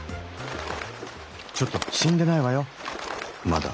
ちょっと死んでないわよまだ。